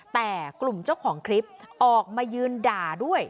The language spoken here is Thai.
แต่กลุ่มเจ้าของคลิปออกมายืนด่าด้วย